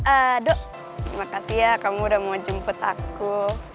aduh makasih ya kamu udah mau jemput aku